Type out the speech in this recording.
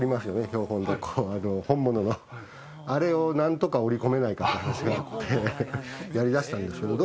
標本本物のあれを何とか織り込めないかって話があってやりだしたんですけど